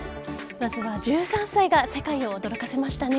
まずは１３歳が世界を驚かせましたね。